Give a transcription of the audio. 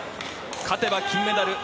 勝てば金メダル。